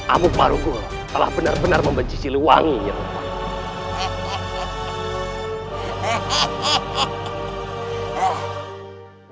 amu parunggul telah benar benar membencisi luwangi yang luar biasa